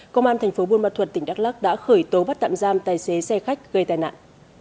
công an thành phố buôn ma thuật tỉnh đắk lắc đã khởi tố bắt tạm giam tài xế xe khách gây tai nạn